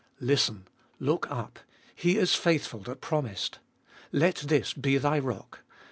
— Listen, look up — He is faithful that promised ! Let this be thy rock.